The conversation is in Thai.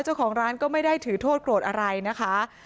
เจ้าของร้านก็ไม่ได้ถือโทษโกรธอะไรนะคะ